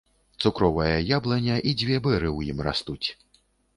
Цукровая яблыня і дзве бэры ў ім растуць.